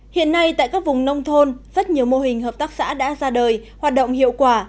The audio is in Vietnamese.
hiện nay tại các vùng nông thôn rất nhiều mô hình hợp tác xã đã ra đời hoạt động hiệu quả